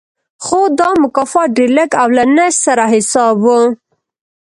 خو دا مکافات ډېر لږ او له نشت سره حساب و